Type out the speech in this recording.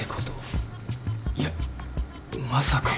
いやまさか。